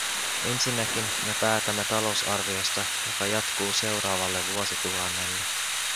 Ensinnäkin, me päätämme talousarviosta, joka jatkuu seuraavalle vuosituhannelle.